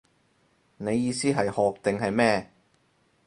你意思係學定係咩